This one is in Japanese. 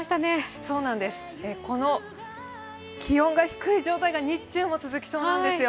この気温が低い状態が日中も続きそうなんですよ。